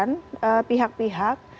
intinya itu kita pertemukan pihak pihak